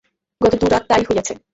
গত দু রাত তা-ই হয়েছে।